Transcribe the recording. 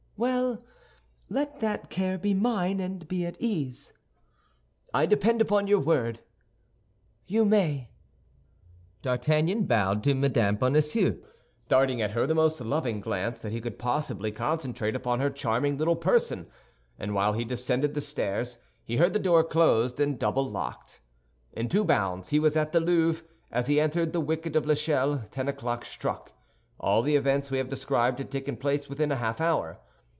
"Well, let that care be mine, and be at ease." "I depend upon your word." "You may." D'Artagnan bowed to Mme. Bonacieux, darting at her the most loving glance that he could possibly concentrate upon her charming little person; and while he descended the stairs, he heard the door closed and double locked. In two bounds he was at the Louvre; as he entered the wicket of L'Echelle, ten o'clock struck. All the events we have described had taken place within a half hour.